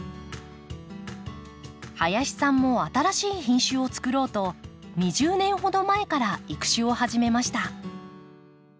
林さんも新しい品種をつくろうと２０年ほど前から育種を始めました。